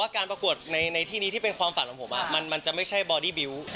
ความฝันของผมมันจะไม่ใช่บอดี้บิวต์